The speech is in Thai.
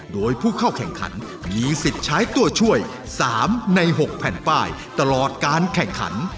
โดยผู้เข้าแข่งขันมีสิทธิ์ใช้ตัวช่วย๓ใน๖แผ่นป้ายตลอดการแข่งขัน